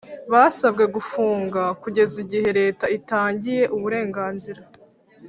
basabwe gufunga kugeza igihe leta itangiye uburenganzira